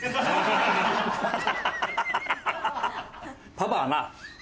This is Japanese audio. パパはな